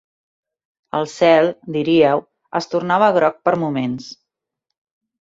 El cel, diríeu, es tornava groc per moments.